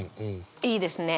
いいですね。